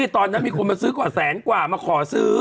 ตอนนั้นมีคนมาซื้อกว่าแสนกว่ามาขอซื้อ